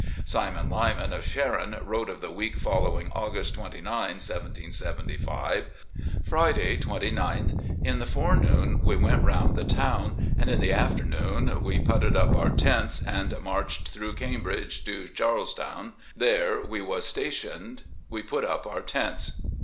Simon Lyman of Sharon wrote of the week following August 29, 1775. "Friday, 29th, In the forenoon we went round the town, and in the afternoon we putted up our tents and marched through Cambridge to Charlestound, there we was stationed, we put up our tents.